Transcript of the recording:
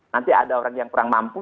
nanti ada orang yang kurang mampu